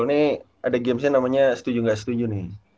ini ada gamesnya namanya setuju nggak setuju nih